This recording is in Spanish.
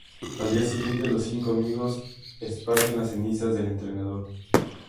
Al día siguiente, los cinco amigos esparcen las cenizas del entrenador.